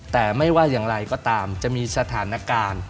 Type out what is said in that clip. แต่ไม่ว่าอย่างไรก็ตามจะมีสถานการณ์